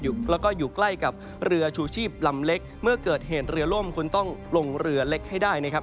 แล้วก็อยู่ใกล้กับเรือชูชีพลำเล็กเมื่อเกิดเหตุเรือล่มคุณต้องลงเรือเล็กให้ได้นะครับ